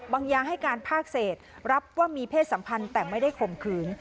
บางอย่างให้การภาคเศษรับว่ามีเพศสัมพันธ์แต่ไม่ได้ข่มขืน